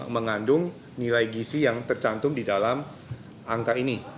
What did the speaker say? mengandung nilai gisi yang tercantum di dalam angka ini